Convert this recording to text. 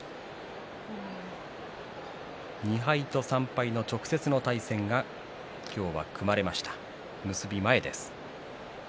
２敗と３敗の直接の対戦が今日は組まれました結び前です。